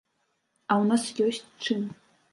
А ў нас ёсць чым.